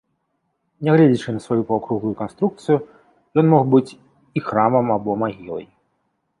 Нягледзячы на сваю паўкруглую канструкцыю, ён мог быць і храмам або магілай.